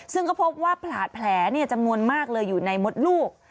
ซึ่งก็พบว่าแผลจำนวนมากเลยอยู่ในมดลูก